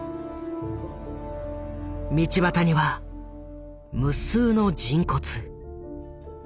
道端には無数の人骨。